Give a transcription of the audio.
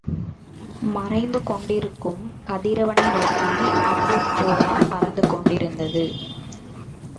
மறைந்து கொண்டிருக்கும் கதிரவனை நோக்கி அம்புபோல் பறந்து கொண்டிருந்தது.